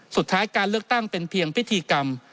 สุดท้ายการเลือกตั้งเป็นเพียงพิธีกรรม